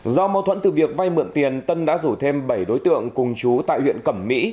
do mâu thuẫn từ việc vay mượn tiền tân đã rủ thêm bảy đối tượng cùng chú tại huyện cẩm mỹ